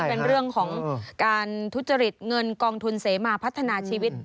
เป็นเรื่องของการทุจริตเงินกองทุนเสมาพัฒนาชีวิต